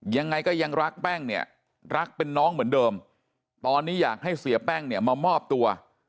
ยังไงก็ยังรักแป้งเนี่ยรักเป็นน้องเหมือนเดิมตอนนี้อยากให้เสียแป้งเนี่ยมามอบตัว